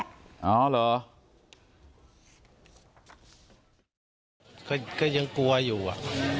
ก็ยังกลัวอยู่อ่ะ